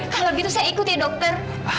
kalau gitu saya ikut ya dokter